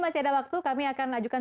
masih ada waktu kami akan ajukan